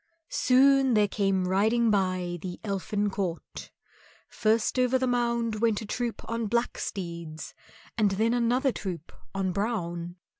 Soon there came riding by the Elfin court, first over the mound went a troop on black steeds, and then another troop on brown.